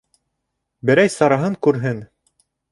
Берәй сараһын күрһен.